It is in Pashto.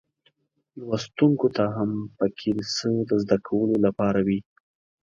لوستونکو ته هم پکې څه د زده کولو لپاره وي.